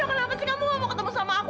edo kenapa sih kamu gak mau ketemu sama aku